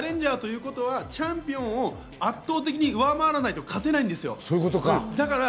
そういうことはチャンピオンを圧倒的に上回らないと勝てないんですよ。